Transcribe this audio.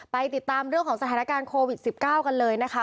ติดตามเรื่องของสถานการณ์โควิด๑๙กันเลยนะคะ